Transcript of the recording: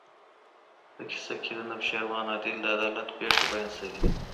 په کیسه کې د نوشیروان عادل د عدالت پېښه بیان شوې.